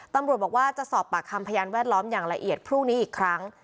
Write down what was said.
ตำรวจบอกว่าจะสอบปากคำพยานแวดล้อมอย่างละเอียดพรุ่งนี้อีกครั้ง